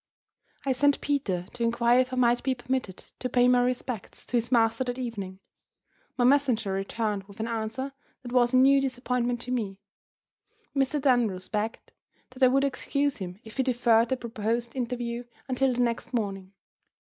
I sent Peter to inquire if I might be permitted to pay my respects to his master that evening. My messenger returned with an answer that was a new disappointment to me. Mr. Dunross begged that I would excuse him, if he deferred the proposed interview until the next morning.